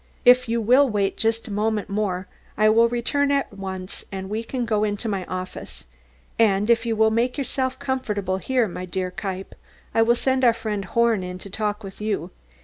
If you will wait just a moment more, I will return at once and we can go into my office. And if you will make yourself comfortable here, my dear Kniepp, I will send our friend Horn in to talk with you.